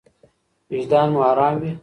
وجدان مو ارام وي.